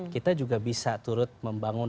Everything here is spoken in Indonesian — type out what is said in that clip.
kita juga bisa turut membangun